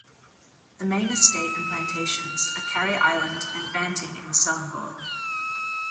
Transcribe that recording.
The main estate and plantations are Carey Island and Banting in Selangor.